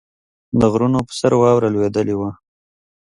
د غرونو پر سر واوره لوېدلې وه.